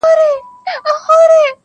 عشق مي خوی عشق مي مسلک عشق مي عمل دی-